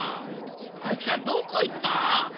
あいつらどこいった？